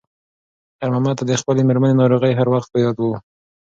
خیر محمد ته د خپلې مېرمنې ناروغي هر وخت په یاد وه.